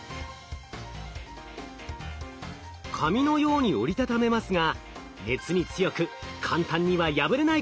紙のように折り畳めますが熱に強く簡単には破れないことが分かりました。